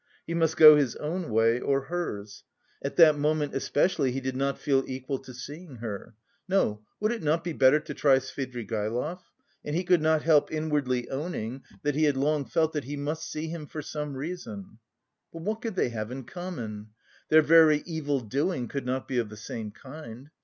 He must go his own way or hers. At that moment especially he did not feel equal to seeing her. No, would it not be better to try Svidrigaïlov? And he could not help inwardly owning that he had long felt that he must see him for some reason. But what could they have in common? Their very evil doing could not be of the same kind.